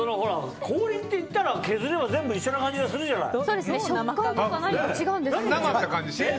氷って言ったら、削れば全部一緒な感じがするじゃない。